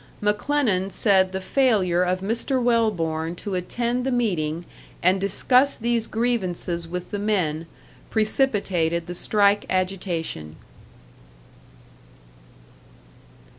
McLennan said the failure of Mr. Welborn to attend the meeting and discuss these grievances with the men precipitated the strike agitation.